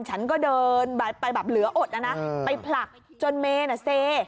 ฉันก็เดินไปแบบเหลืออดนะนะไปผลักจนเมนเซ